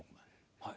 はい。